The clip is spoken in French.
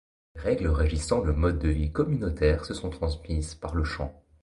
Les règles régissant le mode de vie communautaire se sont transmises par le chant.